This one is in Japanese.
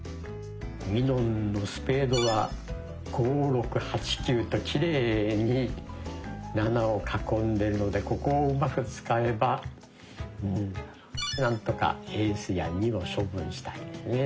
みのんのスペードは「５」「６」「８」「９」ときれいに「７」を囲んでるのでここをうまく使えばうんなんとかエースや「２」を処分したいね。